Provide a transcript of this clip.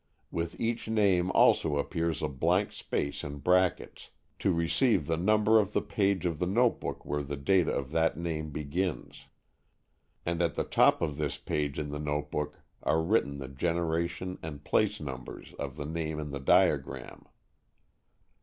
With each name also appears a blank space in brackets, to receive the number of the page of the notebook where the data of that name begins. And at the top of this page in the notebook are written the generation and place numbers of the name in the diagram.